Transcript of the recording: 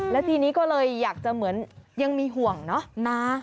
แล้วทีนี้ก็เลยอยากจะเหมือนยังมีห่วงเนอะนะ